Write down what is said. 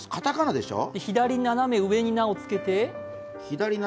左斜め上にナをつけて。